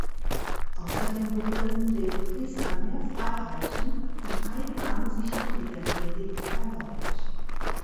Außerdem wurden den Priestern mehr Freiheiten und eigene Ansichten in der Predigt erlaubt.